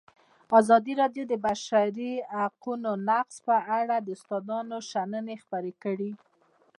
ازادي راډیو د د بشري حقونو نقض په اړه د استادانو شننې خپرې کړي.